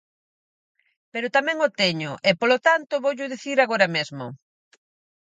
Pero tamén o teño e, polo tanto, voullo dicir agora mesmo.